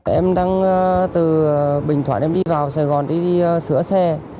em đang từ bình thoải em đi vào sài gòn đi sửa xe